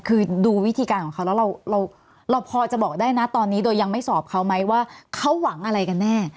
คือดูวิธีการของเขาแล้วเราพอจะบอกได้นะตอนนี้โดยยังไม่สอบเขาไหมว่าเขาหวังอะไรกันแน่